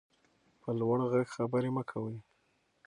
په لوړ غږ خبرې مه کوئ.